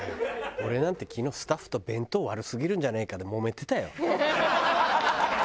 俺なんて昨日スタッフと「弁当悪すぎるんじゃねえか」でもめてたよ。